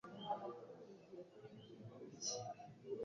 So azabura isura niba utubahirije amasezerano yawe